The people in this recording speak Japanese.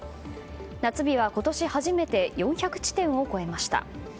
夏日は今年初めて４００地点を超えました。